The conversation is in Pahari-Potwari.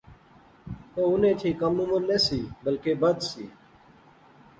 او انیں تھی کم عمر نہسی بلکہ بدھ سی